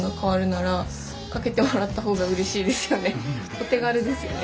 お手軽ですよね。